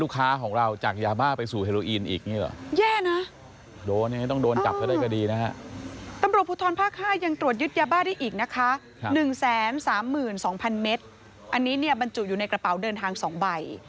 ลูกค้าของเราจากยาบ้าไปสู่เฮโรอีนอีกนี่อ่ะแย่นะ